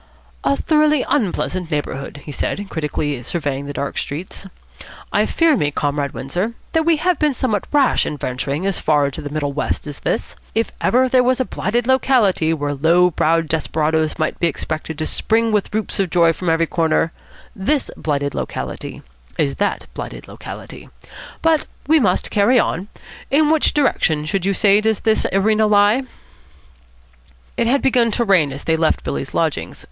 "A thoroughly unpleasant neighbourhood," he said, critically surveying the dark streets. "I fear me, Comrade Windsor, that we have been somewhat rash in venturing as far into the middle west as this. If ever there was a blighted locality where low browed desperadoes might be expected to spring with whoops of joy from every corner, this blighted locality is that blighted locality. But we must carry on. In which direction, should you say, does this arena lie?" It had begun to rain as they left Billy's lodgings.